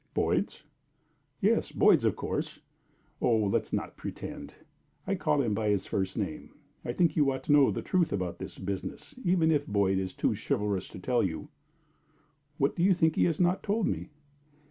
"Boyd's?" "Yes, Boyd's, of course. Oh, let us not pretend I call him by his first name. I think you ought to know the truth about this business, even if Boyd is too chivalrous to tell you." "Why do you think he has not told me?"